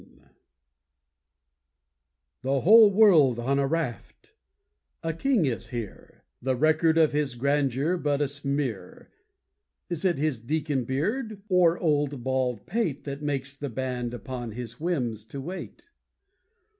The Raft The whole world on a raft! A King is here, The record of his grandeur but a smear. Is it his deacon beard, or old bald pate That makes the band upon his whims to wait?